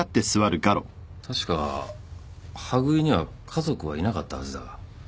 確か羽喰には家族はいなかったはずだが。